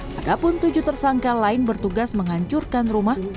padahal tujuh tersangka lain bertugas menghancurkan rumah